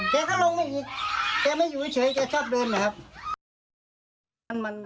แกก็ลงไปอีกแกไม่อยู่เฉยแกชอบเดินนะครับ